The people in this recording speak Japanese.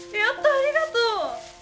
ありがとう！